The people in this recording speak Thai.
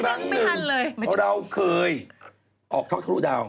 บางอย่างเราเคยออกท็อกทะลุดาว